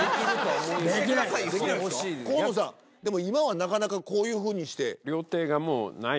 ・できないですか・河野さんでも今はなかなかこういうふうにして。